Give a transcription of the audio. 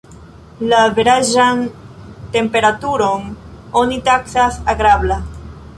La averaĝan temperaturon oni taksas agrabla.